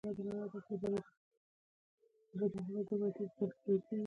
نه هر څه چې وولس وکاروي معیاري دي.